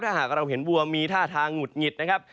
ถ้าหากเราเห็นวัวมีท่าทางหงุดหงิดนะครับ